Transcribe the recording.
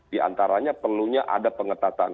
di antaranya perlunya ada pengetatan